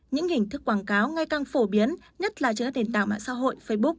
những hình thức quảng cáo ngay càng phổ biến nhất là trên các nền tảng mạng xã hội facebook